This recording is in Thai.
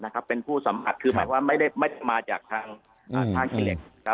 คือหมายความว่าไม่มาจากท่าคิเล็ก